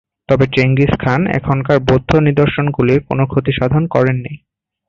তবে Genghis Khan এখানকার বৌদ্ধ নিদর্শনগুলির কোনও ক্ষতিসাধন করেননি।